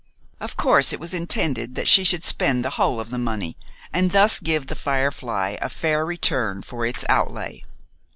Of course it was intended that she should spend the whole of the money, and thus give "The Firefly" a fair return for its outlay.